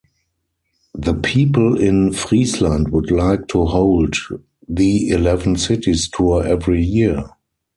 The people in Friesland would like to hold the Eleven Cities Tour every year.